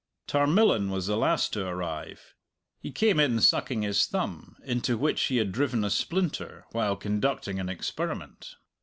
Tarmillan was the last to arrive. He came in sucking his thumb, into which he had driven a splinter while conducting an experiment.